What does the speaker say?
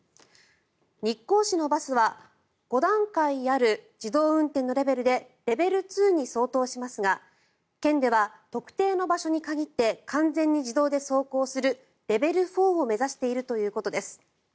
日光市のバスは５段階ある自動運転のレベルでレベル２に相当しますが県では特定の場所に限って完全に自動で走行するレベル４を目指しているということです。